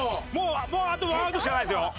もうあと１アウトしかないですよ。